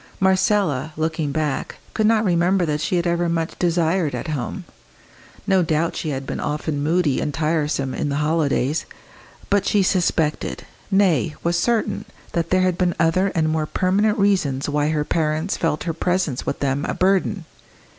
Marcella, looking back, could not remember that she had ever been much desired at home. No doubt she had been often moody and tiresome in the holidays; but she suspected nay, was certain that there had been other and more permanent reasons why her parents felt her presence with them a burden.